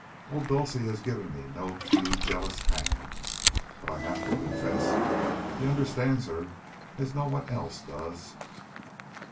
Oh, Dulcie has given me no few jealous pangs. But I have to confess he understands her as no one else does."